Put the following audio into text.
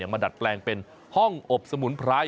ดัดแปลงเป็นห้องอบสมุนไพร